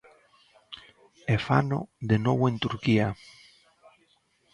E fano de novo en Turquía.